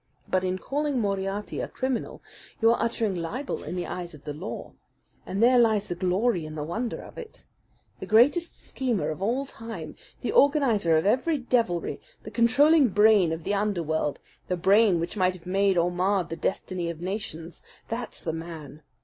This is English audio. But in calling Moriarty a criminal you are uttering libel in the eyes of the law and there lie the glory and the wonder of it! The greatest schemer of all time, the organizer of every deviltry, the controlling brain of the underworld, a brain which might have made or marred the destiny of nations that's the man!